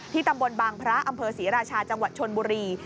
ตำบลบางพระอำเภอศรีราชาจังหวัดชนบุรี